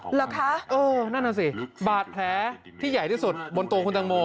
เหรอคะเออนั่นน่ะสิบาดแผลที่ใหญ่ที่สุดบนตัวคุณตังโม